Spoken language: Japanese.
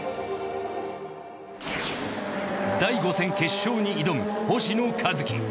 第５戦決勝に挑む星野一樹。